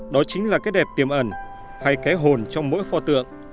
đó chính là cái đẹp tiềm ẩn hay cái hồn trong mỗi pho tượng